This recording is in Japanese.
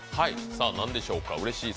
何でしょうか？